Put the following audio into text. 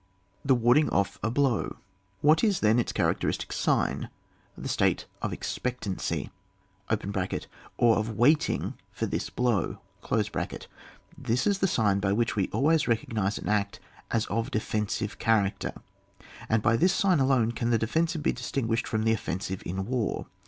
The warding off a blow. What is then its characteristic fiign? The state of ex pectancy (or of waiting for this blow). This is the sign by which we always recognise an act as of a defensive cha racter, and by this sign alone can the defensive be disting^shed from the offen sive in war.